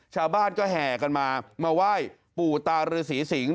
ชาวบ้านก็แห่กันมามาไหว้ปู่ตารือศรีสิง